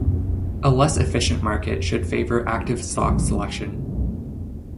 A less efficient market should favor active stock selection.